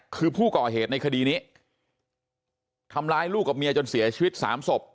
คือผู้ก่อเหตุในคดีนี้ทำร้ายลูกกับเมียจนเสียชีวิตสามศพ